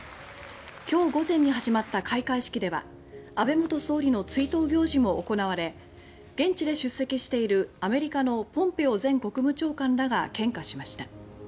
今日午前に始まった開会式では安倍元総理の追悼行事も行われ現地で出席しているアメリカのポンペオ前国務長官らが献花しました。